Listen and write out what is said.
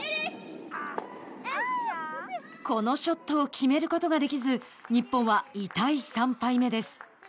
このショットを決めることができず日本は痛い３敗目です。